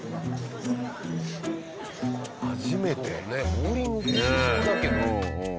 ボウリング行きそうだけど。